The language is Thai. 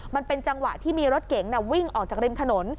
มันเป็นจังหวะที่มีรถเก๋งวิ่งออกจากริมถนน